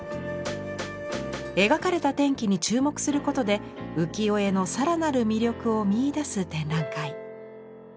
描かれた天気に注目することで浮世絵の更なる魅力を見いだす展覧会。